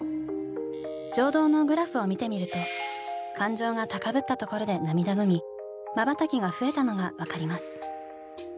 情動のグラフを見てみると感情が高ぶったところで涙ぐみ瞬きが増えたのが分かります。